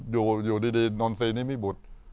อยู่ดีนอนซีนิมิบุตร